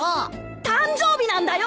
誕生日なんだよ！